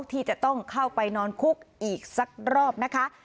ที่จะต้องเข้าไปนอนคุกอีกสักรอบนะคะ